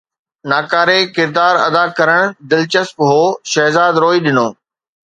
ناڪاري ڪردار ادا ڪرڻ دلچسپ هو، شهزاد روئي ڏنو